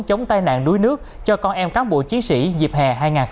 chống tai nạn núi nước cho con em cán bộ chiến sĩ dịp hè hai nghìn hai mươi ba